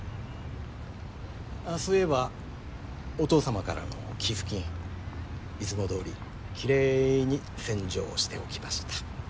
あそういえばお父様からの寄付金いつも通りきれいに洗浄しておきました。